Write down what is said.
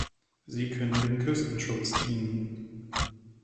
Sie können dem Küstenschutz dienen.